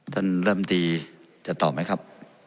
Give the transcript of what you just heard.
ท่านรำตีจะตอบไหมครับ